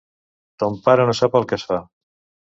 Ton pare no sap el que es fa.